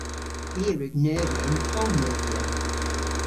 Hwi a wrug neuvya yn poll-neuvya.